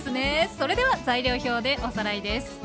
それでは材料表でおさらいです。